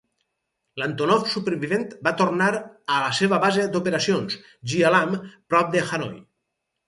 L'Antonov supervivent va tornar a la seva base d'operacions, Gia Lam, prop de Hanoi.